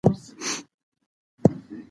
ماشوم او انا یو بل ته په رډو سترگو کتل.